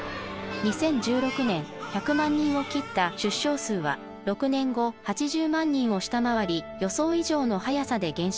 ２０１６年１００万人を切った出生数は６年後８０万人を下回り予想以上の速さで減少。